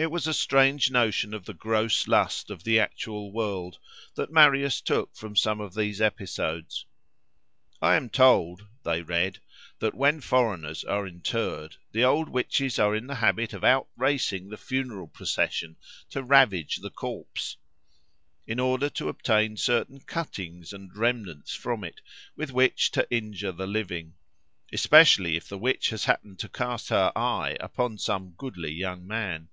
It was a strange notion of the gross lust of the actual world, that Marius took from some of these episodes. "I am told," they read, "that when foreigners are interred, the old witches are in the habit of out racing the funeral procession, to ravage the corpse"—in order to obtain certain cuttings and remnants from it, with which to injure the living—"especially if the witch has happened to cast her eye upon some goodly young man."